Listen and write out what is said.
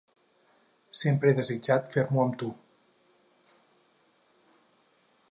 "Sempre he desitjat fer-m'ho amb tu.